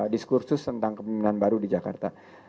diskursus tentang kepemimpinan baru di jakarta